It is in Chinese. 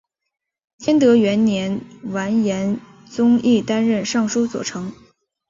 天德元年完颜宗义担任尚书左丞。